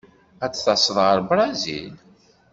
Ad d-taseḍ ɣer Brizil?